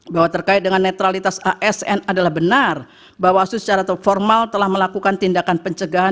bahwa terkait dengan netralitas asn adalah benar bawaslu secara formal telah melakukan tindakan pencegahan